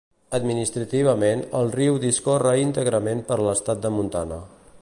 Administrativament, el riu discorre íntegrament per l'estat de Montana.